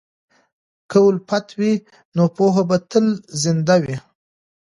که الفت وي، نو پوهه به تل زنده وي.